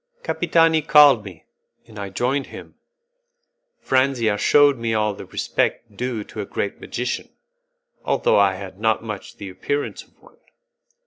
Capitani called me, and I joined him. Franzia shewed me all the respect due to a great magician, although I had not much the appearance of one.